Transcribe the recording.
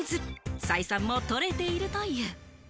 採算も取れているという。